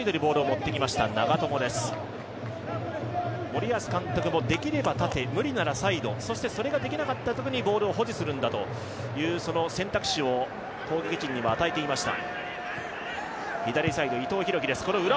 森保監督もできれば縦、無理ならサイド、そしてそれができなかったときにボールを保持するんだという選択肢を攻撃陣にも与えていました。